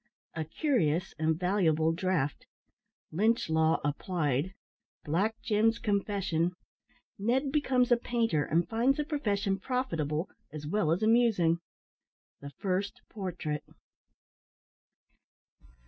A CURIOUS AND VALUABLE DRAUGHT LYNCH LAW APPLIED BLACK JIM'S CONFESSION NED BECOMES A PAINTER, AND FINDS THE PROFESSION PROFITABLE AS WELL AS AMUSING THE FIRST PORTRAIT.